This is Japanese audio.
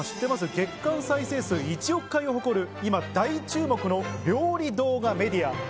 月間再生数１億回を誇る、今、大注目の料理動画メディア。